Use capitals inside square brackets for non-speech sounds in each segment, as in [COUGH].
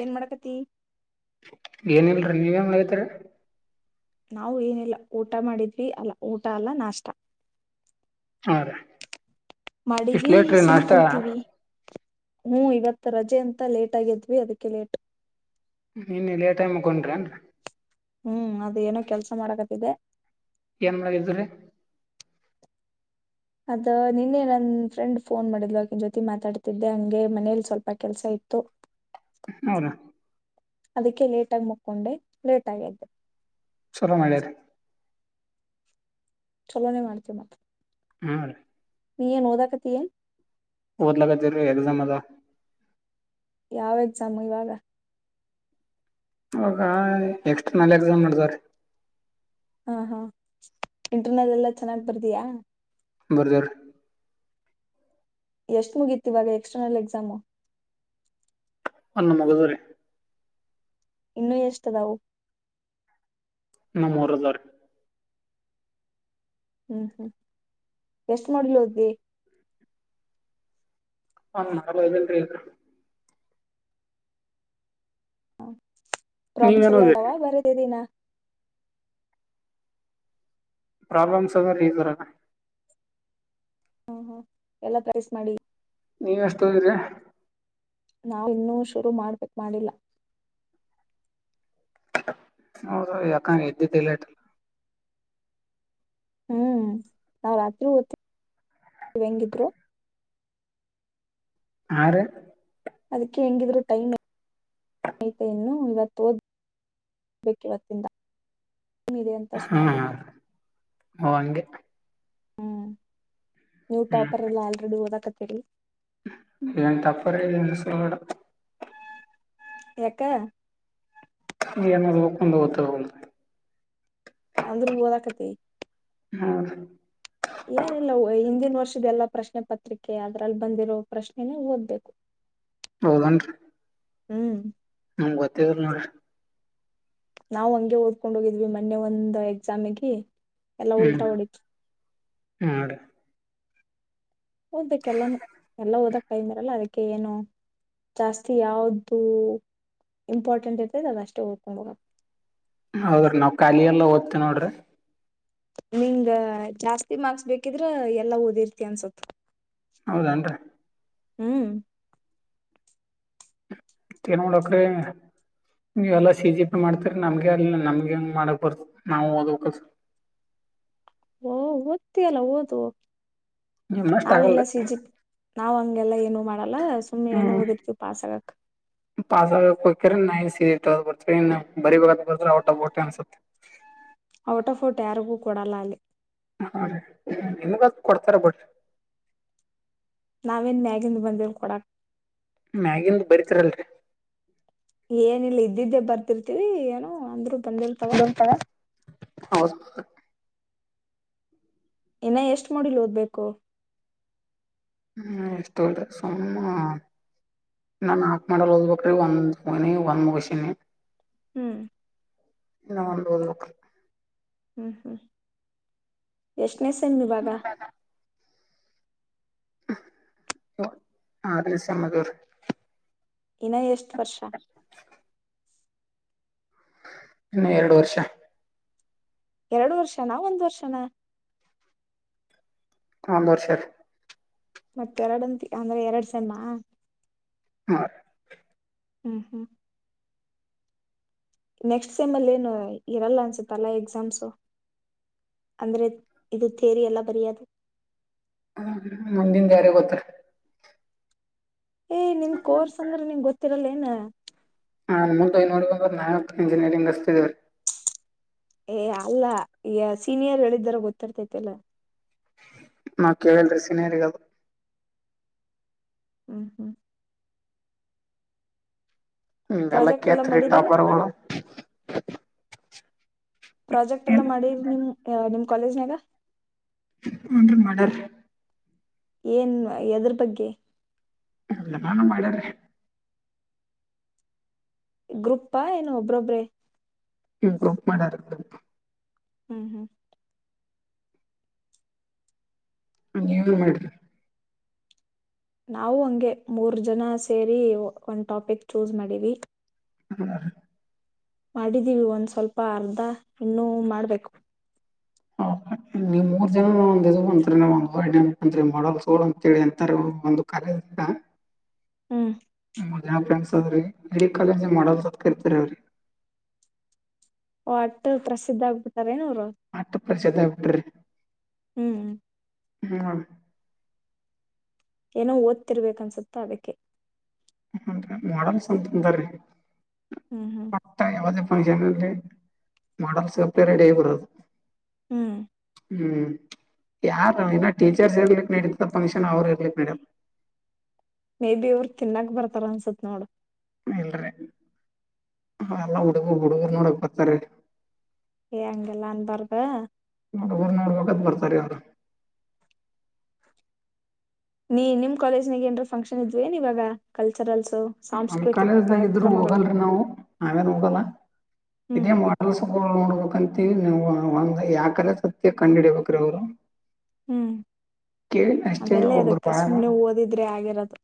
ಏನ್ ಮಾಡಕತಿ ಏನ್ ಇಲ್ರೀ ನೀವೇನ್ ಮಾಡತಾರ ನಾವು ಏನಿಲ್ಲ ಊಟ ಮಾಡಿದ್ವಿ ಅಲ್ಲ ಊಟ ಅಲ್ಲ ನಾಷ್ಟ ಹಾ ರ ಮಾಡೀವವಿ ಸುಮ್ ಕುಂತೀವಿ ಹ್ಮ ಇವತ್ತು ರಜೆ ಅಂತ ಲೇಟ್ ಆಗಿದ್ವಿ ಅದಕ್ಕೆ ಲೇಟ್ ನೀನ್ನೆ ಲೇಟ್ ಆಗಿ ಮಲ್ಕೊಂಡಿರಿ ಏನರಿ ಹ್ಮ್ ಅದೇಏನೋ ಕೆಲ್ಸ ಮಾಡಕತ್ತಿದೆ ಏನ್ ಮಾಡಗಿದ್ರರಿ ಅದ ನಿನ್ನೆ ನನ್ ಫ್ರೆಂಡ್ ಫೋನ್ ಮಾಡಿದಲ್ವಕ ಜ್ಯೋತಿ ಮಾತಾಡ್ತಿದ್ದೆ ಹಂಗೆ ಮನೇಲಿ ಸ್ವಲ್ಪ ಕೆಲ್ಸ ಐ ಹತ್ತು ಹೌದ ಅದಕ್ಕೆ ಲೇಟಗ ಮುಕೊಂಡೆ ಲೇಟ್ ಆಗ್ದೆ ಚುರ ಮಾಡಾರೆ ಚಲೋನೇ ಮಾಡ್ತೀ ಮತ್ತ ಹಾ ರೀ ನೀ ಏನು ಓಡಾಕತ್ತಿ ಓದಳಾಕತ್ತೀವಿ ಎಕ್ಸಾಮ್ ಅದಾವ ಯಾವ್ ಎಕ್ಸಾಮು ಇವಾಗ ಹೌದ ಎಕ್ಸ್ಟ್ರ ನಲ್ ಎಕ್ಸಾಮ್ ಮಾಡದವ್ರೀ ಹಾ ಹಾ ಇಂಟರ್ನಲ್ ಎಲ್ಲಾ ಚೆನ್ನಾಗ್ ಬರ್ದಯಾ ಬರ್ದರ್ ಎಷ್ಟ್ ಮುಗೀತಿ ಇವಾಗ ಎಕ್ಸ್ಟರ್ನಲ್ ಎಕ್ಸಾಮು ಒಂದ ಮುಗದಡ್ರಿ ಇನ್ನೂ ಎಷ್ಟದಾವು ನ ಮೂರು ಆದವರಿ ಹ್ಮ್ ಹ್ಮ್ ಎಷ್ಟ ಮಾಡ್ಲು ಹದ್ದಿ ಹಲ್ರಿ ಅ [UNINTELLIGIBLE] ಪ್ರಾಬ್ಲಮ್ಸ್ ನೀವೇನು ಎಲ್ಲಾ ಓದಿರಿ ಇದಾವ ಬರದ ದೀಿನ ಪ್ರಾಬ್ಲಮ್ಸ್ ಅದ್ರ ಈ ತರ ಹೂ ಹೂ ಎಲ್ಲಾ ಪ್ರ್ೇಸ್ ಮಾಡಿ ನೀ ಎಷ್ಟ ಓದಿದ್ರೆ ನಾವು ಇನ್ನೂ ಶುರು ಮಾಡ್ಬೇಕಕ್ ಮಾಡಿಲ್ಲ ಹೌದ ಯಾಕ್ ಎದ್ದಿದೆ ಲೇಟ್ ಹೂ ನಾವ್ ರಾತ್ರಿ ಓ ಹೆಂಗಿದ್ರು ಅರೆ ಅದಕ್ಕೆ ಹೆಂಗಿದ್ರು ಟೈಮ್ ಸ್ನಹಿತೆಯನ್ನು ಇವತ್ತು ಓದಬೇಕಿಿವತ್ತಿಂದ ನ ಇದೆ ಅಂತ ಹಾಂ ಹಾಂ ಸುನಾಗಿತ್ತುು ಓ ಹಂಗೆ ನೀವು ಟಾಪರ್ ಎಲ್ಲ ಆಲ್ರೆಡಿ ಓದಾಕತ್ತೇಳರಿ ಏನ್ ಟಾಪರ್ ಏನ್ ಸುಡುಗಾಡು ಎಕ್ಕ ಈನಕೊಂಡ ಹತೋಗ ಅಂದ್ರ ಓದ ಕತ್ತಿ ಹೌ ಏನಿಲ್ಲ ಹಿಂದಿನ ವರ್ಷದ ಎಲ್ಲಾ ಪ್ರಶ್ನೆ ಪತ್ರಿಕೆ ಅದ್ರಲ್ಲಿ ಬಂದಿರೋ ಪ್ರಶ್ನೆನೇ ಓದ್ಬೇಕು ಹೌದ ಏನ್ ರಿ ಹೂ ನಂಗೆ ಗೊತ್ತ ಇರ್ಲಿಲ್ಲ ನೋಡ್ರಿ ನಾವ್ ಹಂಗೆ ಓದ್ಕೊಂಡ್ ಹೋಗಿದ್ವಿ ಮೊನ್ನೆ ಒಂದ್ ಎಕ್ಸಾಮಗಿ ಎಲ್ಲಾ ಉಲ್ಟಾ ಹೊಡವಿ ಹೂ ಓದಕ್ಕೆ ಎಲ್ಲ ಎಲ್ಲ ಓದಕ್ ಟೈಮ್ ಮಿರಲ್ಲ ಅದಕ್ಕೆ ಏನು ಜಾಸ್ತಿ ಯಾವ್ದು ಇಂಪಾರ್ಟೆಂಟ್ ಇರ್ತದೆ ಅದಷ್ಟೇ ಓದಕೊಂಡ್ ಹೋಗ ಹೌದ್ರಿ ನಾವ್ ಖಾಲ ಎಲ್ಲಾ ಓದ್ತ ನೋಡ್ರಿ ನಿಂಗ ಜಾಸ್ತಿ ಮಾರ್ಕ್ಸ್ ಬೇಕಿದ್ರ ಎಲ್ಲಾ ಓದಿರ್ತಿ ಅನ್ಸುತ್ತ ಹೌದನ್ರಿ ಹೂ ತ್ತ ನೋಡಕ್ರೆ ನೀವೆಲ್ಲಾ ಸಿ ಜಿ ಪಿ ಮಾಡ್ತರಿ ನಮ್ಗೆ ಅ ನಮ್ಗೆ ಹೆಂಗ್ ಮಾಡಕ್ ಬರ್ ನಾವು ಓದಕ ಹ ಓ ಓದತ್ತ ಅಲ್ಲ ಓದು ನಿಮ್ಮಷ್ಟ್ ಆಗಲ್ರಿ ನಾವೆಲ್ಲಾ ಸಿಜಿ ನಾವ್ ಗೆಲ್ಲ ಏನು ಮಾಡಲ್ಲ ಸುಮ್ಮ್ನೆ ಏನು ಹ್ಮ್ ಓದಿರ್ತೀವಿ ಪಾಾಸಗಕ್ ನ ಬರ್ ಇ ಬರಿ ಬ ಬರ್ ಟ ಟ ಅನ್ಸುತ್ತ ಔಟ್ ಆಫ್ ಔಟ್ ಯಾರಿಗೂ ಕೊೂಡಲ್ಲ ಅಲ್ಲಿ ಹ ನಿಮಗ ಕೊಡ್ತಾರ ಬಟ್್ರಿ ನಾವೇನ್ ಮ್ಯಾಗಿಂದ ಬಂದೇವ ಕೊಡಕ ಮ್ಯಾಗಿಂದು ಬರಿತಿರಲ್ರಿ ಏನಿಲ್ಲ ಇದ್ದಿದ್ದೆ ಬರ್ತಿರ್ತಿೀವಿ ಏನೋ ಒಂದು [UNINTELLIGIBLE] ಇನ್ನ ಎಷ್ಟು ಮಾಡಿಲ್ ಓದ್ಬೇಕು [UNINTELLIGIBLE] ನಾನ್ ಹಾಕ್ ಮಾಡಲ್ ಓದ್ಬೇಕ್ರೀ ಒಂದ್ ಮುಗನಿ ಒಂದ್ ಮುಗಸಿನಿ ಹೂ ಇನ್ನ ಒಂದ ನಕ ಹೂ ಹೂ ಎಷ್ಟನೇ ಸಮ್ ಇವಾಗ ಅರನ್ ಸೇಮ್ ಆದಿವ್ರಿ ಇನ್ನ ಎಷ್ಟ ವರ್ಷ ಇನ್ನು ಎರಡು ವರ್ಷ ಎರಡು ವರ್ಷನ ಒಂದ್ ವರ್ಷನ ಒಂದು ವರ್ಷಾರಿ ಮತ್ತೆರಡಂತ ಅಂದ್ರೆ ಎರಡ್ ಸೆಮ್ಮಾ ಹಾ ಹ್ಮ್ ಹ್ಮ್ ನೆಕ್ಸ್ಟ್ ಸೆಮ್ ಅಲ್ಲಿ ಏನು ಇರಲ್ಲ ಅನ್ಸುತ್ತ ಅಲ್ಲಾ ಎಕ್ಸಾಮ್ಸು ಅಂದ್ರೆ ಇದು ಥೇರಿ ಎಲ್ಲ ಬರಿಯದು ಮುಂದಿದಯಾರಗಿ ಗೋತ್ತಾ ಏ ನಿಮ ಕೋರ್ಸ್ ಅಂದ್ರೆ ನಿಮ ಗೊತ್ತಿರಲ್ಲೇ ಏನ ಹಾ ನ ನೋಡ್ಬೇಕ ನ ಇಂಜಿನಿಯರಿಂಗ್ ಅಷ್ಟತಿದವೀ ಏ ಅಲ್ಲ ಈ ಸೀನಿಯರ್ ಹೇಳಿದರ ಗೊತ್ತಿರ್ತತಿ ಅಲ್ಲ ನಾ ಕೇಳ್ರೀ ಸಿನಿಯರಿಗದು ಹ್ಮ್ ಹ್ಮ್ ಹ್ಮ ಎಲ್ಲ ಪ್ರಾಜೆಕ್ಟ್ ಎಲ್ಲಾ ಕೇತ್ ರೀ ಮಾಡಿರೇನ್ ಟಾಪರಗಳು ಪ್ರಾಜೆಕ್ಟ್ ಎಲ್ಲ ಮಾಡಿ ನಿಮ್ ನಿಮ್ ಕಾಲೇಜ್ನ್ಯಾಗ ಹುನ್ರಿ ಮಾಡ್ಯಾರ್ರಿ ಏನ್ ಎದ್ರ ಬಗ್ಗೆ ಎಲ್ಲಾನು ಮಾಡ್ಯಾರೀ ಗ್ರೂಪ್ ಏನ್ ಒಬ್ರೊಬ್ರೆ ಗ್ರೂಪ್ ಮಾಡಿ ರ್ ಹ್ಮ್ ಹ್ಮ್ ನೀವ ಏನ್ ಮಾಡ್ರಿ ನಾವು ಹಂಗೆ ಮೂರ್ ಜನ ಸೇರಿ ಒಂದು ಟಾಪಿಕ್ ಚೂಸ್ ಮಾಡವಿ [UNINTELLIGIBLE] ಮಾಡಿದ್ದೀವಿ ಒಂದ್ ಸ್ವಲ್ಪ ಅರ್ಧ ಇನ್ನೂ ಮಾಡ್ಬೇಕು ನೀವ್ ಮೂರ್ ಜನ ಒಂದ ಇದು ಬಂತರಿ ನ ಒ ಬರಿ ಮಾಡಲ್ ಸೋಳ ಅಂತೇಳಿ ಅಂತಾರೆ ಒಂದು ಕರೆ ಹ್ಮ್ [UNINTELLIGIBLE] ಇಡೀ ಕಾಲೇಜ್ ಮಾಡಲ್ ಅತ್ ಕರ್ತರಿ ಅವ್ರಿಗಿ ಓ ಅಟ್ಟ ಪ್ರಸಿದ್ಧ ಆಗ್ಬಿಟಾರ ಅವ್ರು ಅಟ್ಟ ಪ್ರಸಿದ್ಧಿ ಆಗ್ ಬಿಟ್ಟಿರಿ ಹ್ಮ್ [UNINTELLIGIBLE] ಏನೋ ಓದ್ತಿರ್ಬೇಕನ್ಸುತ್ತ ಅದಕ್ಕೆೆ [UNINTELLIGIBLE] ಮಾಡಲ್ಸ್ಂತ ಅಂದ್ರೀ ಹ್ಮ್ ಹ್ಮ್ [UNINTELLIGIBLE] ಮಾಡೆಲ್ಸಗತೇ ರೆಡಿ ಆಗಿಬರುದು ಹ್ಮ್ ಹ್ಮ್ ಯಾರ ಇನ ಟೀಚರ್ಸ್ ಇರ್ಲಿಕ್ ನೀಡತ ಫಂಕ್ಷನ್ ಅವ್ರ ಇರ್ಲಿಕ್ ನಡಿಯಲ್ ಮೇ ಬಿ ಇವರು ತಿನ್ನಕ್ ಬರ್ತಾರ ಅನ್ಸತ್ ನೋಡ ಇಲ್ರಿ ಎಲ್ಲಾ ಹುಡುಗ ಹುಡುಗರು ನೋಡಕ್ ಬತಾರ್ಲಿ ಏ ಹಂಗಲ್ಲಾ ಅನ್ ಬಾರದ್ ಹುಡುಗರ ನ್ ನೋಡ ಬೇಕತ್ ಬರ್ತಾರಿ ಅವರು ನೀ ನಿಮ್ ಕಾಲೇಜ್ ನಗ ಏನ್ರ ಫಂಕ್ಷನ್ ಇದ್ದವ ಏನ್ ಇವಾಗ ಕಲ್ಚರಲ್ ನಮ ಕಾಲೇಜ್ದಾಗ ಇದರು ಹೋಗಲ್ರರಿ ನಾವು ನಾವೇನ್ ಹೋಗಲ್ಲ. ಹ್ಮ್ ಇದೇ ಮಾಡಲ್ಸ್ ಗೋಳನ್ ನೋಡ್ಬೇಕಂತ ತಿಳಿಲಿ ಯಾಕರೇ ಸತ್ಯ ಕಂಡ್ ಹಿಡಿಬೇಕ್ರೀ ಅವ್ರು ಹ್ಮ್ ಕೇಳಿ ಅಷ್ಟೇ ಅದೆಲ್ಲಾ ಒಬ್ರು ಎದಕ್ಕೆ ಬಾಯಾಗ ಸುಮ್ನೆ ಓದಿದ್ರೆ ಆಗಿರೋದು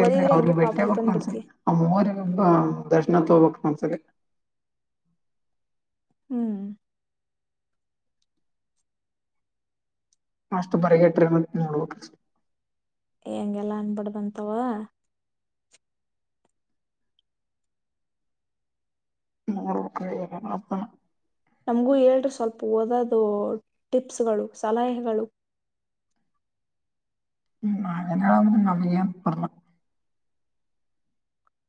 ಇಲ್ರರಿ ಓದಿದ್ರೆ ಅವ್ರಗ್ ಹೆಂಗೆ ಬೇಟ್ಟಿಆಗಿ ಟಾಪಲ್ ಬೇಕ್ ಒನ್ಸರಿ ಬಂದ್ಬಿಡ್ತಿ ಆ್ರ ಒಬ್ಬ ದರ್ಶನತ್ ತಗೋಬೇಕ ಒಂದ್ಸಲಿ ಹ್ಮ್ ಅಷ್ಟು ಪರಗಟ್ರ ನೋಡ್ಬ ಎಂ ಹೆಂಗೆಲ್ಲಾ ಅನ ಬಾಡದ್ ಅಂತಾವ ನೋಡಬೇಕ್ರಿ ಏನೇನತನ ನಮ್ಗೂ ಹೇಳ್ರರಿ ಸ್ವಲ್ಪ ಓದೋದು ಟಿಪ್ಸ್ಗಳು ಸಲಹೆಗಳು ಹ್ಮ್ ನಾವೇನ್ ನಮಗೆ ಪರಮ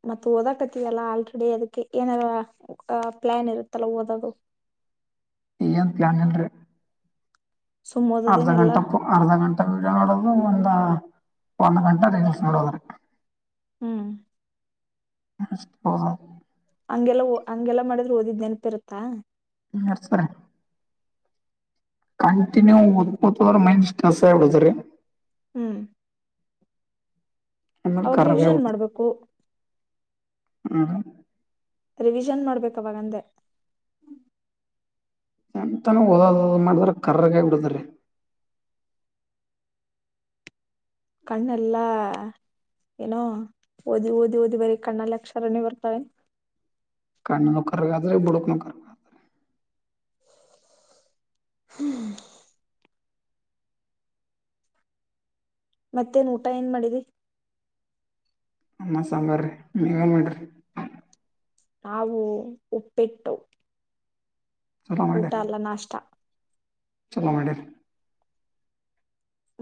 ಮತ್ತ ಓದಕತಲ್ಲ ಆಲ್ರೆಡಿ ಅದಕ್ಕೆ ಏನಾರ ಪ್ಲಾನ್ ಇರುತ್ತಲ್ಲ ಓದೋದು. [INAUDIBLE] ಈಗ ಏನ್ ಪ್ಲಾನ್ ಇಲ್ರರಿ. ಸುಮ್ ಅರ್ಧ ಗಂಟ ಓದೋದೇನೆಲ್ಲಾ ಪ ಅರ್ಧ ಗಂಟ ವಿಡಿಯೋ ನೋಡದ ಒಂದ. ಒಂದು ಗಂಟ ರೀಲ್ಸ್ ನೋಡದ್ರರಿ ಹ್ಮ್ [UNINTELLIGIBLE] ಹೌದ ಹಂಗೆಲ್ಲಾ ಹಂಗೆಲ್ಲ ಮಾಡಿದ್ರರು ಓದಿದ್ ನೆನಪ ಇರುತ್ತಾ. ನರ್ಸಸ್ವರ ಕಂಟಿನ್ಯೂ ಓದಕೊತದ್ರ ಮೈಂಡ್ ಸ್ಟ್ರೆಸ್ ಆಗಿಬಿಡಾತಾದ್ರಿ ಹ್ಮ್ ಆಮೇಲೆ ಅವಾಗ ಕರ್ರಗೆ ರಿವಿಷನ್ ಮಾಡ್ಬೇಕು ಹ್ಮ ರಿವಿಷನ್ ಮಾಡ್ಬೇಕ ಅವಾಗಂದೆ ಚಿಂತನ ಓದದ ಮಾಡಿದ್ರ ಕರ್ರಗಾಯ್ ಬಿಡತರಿ ಕಣ್ಣ ಎಲ್ಲ. ಏನೋ ಓದೀ ಓದಿ ಓದಿ ಬರೀ ಕಣ್ಣಲ್ಲಿ ಅಕ್ಷರನೇ ಬರ್ತವೆ ಏನ ಕಣ್ಣುನ ಕರಗರ್ದ್ರರ ಬುಡುಕ್ನ ಕರಗತದಾ [INAUDIBLE] ಮತ್ತೆ ಏನ ಊಟ ಏನ್ ಮಾಡದೀ ಅನ್ನ ಸಾಂಬಾರ್ರಿ ನೀವ ಏನ್ ಮಾಡ್ರಿ. ನಾವು ಉಪ್ಪಿಟ್ಟು. ಚಲೋ ಊಟ ಮಾಡಿರಿ ಅಲ್ಲಾ ನಾಷ್ಟ ಚಲೋ ಮಾಡಿರಿ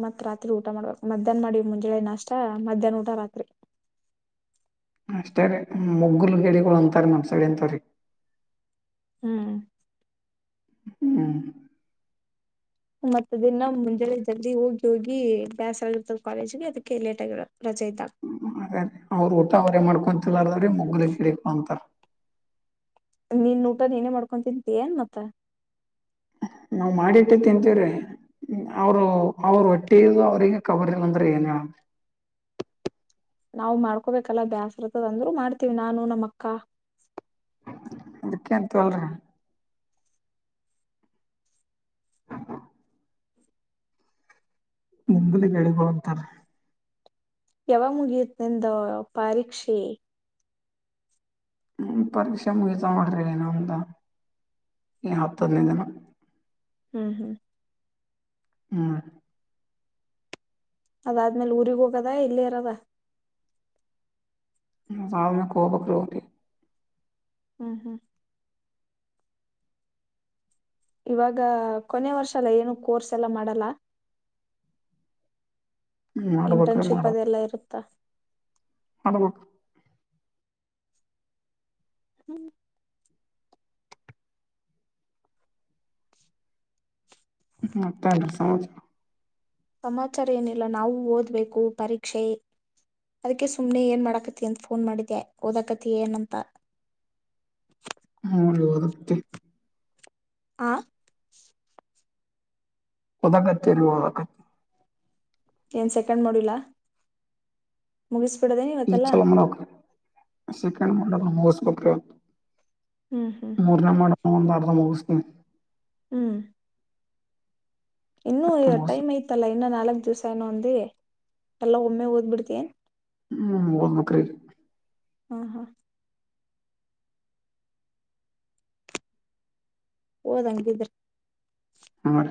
ಮತ್ ರಾತ್ರಿ ಊಟ ಮಾಡ್ಬೇಕ ಮಧ್ಯಾಹ್ನ ಮಾಡಿ ಮುಂಜಳೆ ನಷ್ಟ ಮಧ್ಯಾಹ್ನ ಊಟ ರಾತ್ರಿ. [INAUDIBLE] ಅಷ್ಟೇ ರಿ ಮುಗ್ಗಲಗೇಡಿಗಳು ಅಂತಾರ ನಮ್ ಸೈಡ್ ಅಂತವ್ರೀಗಿ ಹ್ಮ್ ಹ್ಮ್ ಮತ್ತ ದಿನ ಮುಂಜಾನೆ ಜಲ್ದಿ ಹೋಗಿ ಹೋಗಿ ಬ್ಯಾಸರ ಆಗಿರ್ತದೆ ಕಾಲೇಜ್ಗೆ ಅದಕ್ಕೆ ಲೇಟ್ ಆಗಿರ. ಚೈತಾಳ ಅವ್ರ ಊಟ ಅವ್ರೇ ಮಾಡ್ಕೊಂತಲ್ಲಾರದ್ರೀ ಮುಗಲಗೆಡಿ ಪ ಅಂತಾರ. ನೀನ್ ಊಟ ನೀನೇ ಮಾಡ್ಕೊಂತಿಂತಿ ಏನಮತ್ತ. ನಾವ್ ಮಾಡಿಟ್ಟದ ತಿಂತೀವ್ರೀ. ಅವ್ರು ಅವರು ಹೊಟ್ಟಿದ ಅವ್ರಿಗೆ ಕಬರಿ ಇಲ್ಲ ಅಂದ್ರೆ ಏನ್ ಹೇಳಬೇಕ. [INAUDIBLE] ನಾವು ಮಾಡ್ಕೋಬೇಕಲ್ಲ ಬ್ಯಾಸರ ಆ ರ್ತದಂದ್ರರು ಮಾಡ್ತೀವಿ ನಾನು ನಮ್ಮ ಅಕ್ಕ. ಅದಕ್ಕೆಂತೋಲ್ರ ನಿ್ದಲ ಕೆಳಗ ಅಂತಾರ ಯಾವ ಮುಗಿಯತ್ನೆಂದ ಪಾರೀಕ್ಷೆ ಹ್ಮ ಪರೀಕ್ಷೆ ಮುಗಿತಾ ಮಾಡ್ರ ಏನ ಅಂತ ಈ ಹತ್ತಅದನೈದ ದಿನ. ಹ್ಮ್ ಹ್ಮ್. ಹ್ಮ್ ಅದಾದ್ಮೇಲೆ ಊರಿಗ್ ಹೋಗದ ಇಲ್ಲೆ ಇರದ [INAUDIBLE] ಹ್ಮ್ ಹ್ಮ್. ಇವಾಗ ಕೊನೆ ವರ್ಷ ಇಲ್ಲ ಏನು ಕೋರ್ಸ್ ಎಲ್ಲ ಮಾಡಲ್ಲ. ಹ್ಮ್ ಮಾಡ್ಬೇಕ್ರಿ ಇಂಟರ್ನ್ಶಿಪ್ ಅದೆಲ್ಲ ಇರುತ್ತಾ. ಅನಬೇಕು. ಹ್ಮ್ ಹ ಮತ್ತೇನ್ ಸಮಚಾರ ಸಮಾಚಾರ ಏನಿಲ್ಲ ನಾವೂ ಓದ್ಬೇಕು ಪರೀಕ್ಷೆ ಅದಕ್ಕೆ ಸುಮ್ನೆ ಏನ್ ಮಾಡಾಕತಿ ಅಂತ ಫೋನ್ ಮಾಡಿದೆೆ ಓದಕತಿ ಏನಂತ ಹ್ಮರಿವದ ಮತ್ತೆ ಹ ಓಡಾಕತ್ತಿ ಇಲ್ವಾ ಏನ್ ಸೆಕೆಂಡ್ ಮಾಡೋಲಾ ಮುಗ ಈ ಚಲ ಮಾಡ ಮಾಡ ಹ್ಮ್ ಹ್ಮ್ ಮೂರನೇ ಮಾಡಣ ಒಂದು ಅರ್ಥ ಮುಗಿಸ್ತೀ ಹ್ಮ್ ಇನ್ನುೂ ಅಷ್ಟು ಮುಗಿಸ್ ಟೈಮ ಐತಲ್ಲ ಇನ್ನ ನಾಲ್ಕ್ ದಿವ್ಸ ಏನ ಅಂದ ಎಲ್ಲಾ ಒಮ್ಮೆ ಓದ್ಬ ಬಿಡ್ತೇನ್ ಹ್ಮ್ ಓಡ್ಬೇಕ್ ರಿ ಹಾ ಹಾ ಹ ಓದ್ಂಗಿದ್ರೆ ಹ